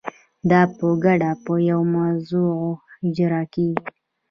دا په ګډه په یوه موضوع اجرا کیږي.